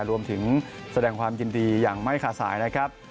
รวมถึงแสดงความยินดีอย่างไม่ขาดสายนะครับ